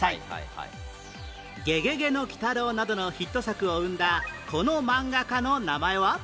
『ゲゲゲの鬼太郎』などのヒット作を生んだこの漫画家の名前は？